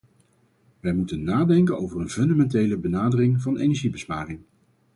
Wij moeten nadenken over een fundamentele benadering van energiebesparing.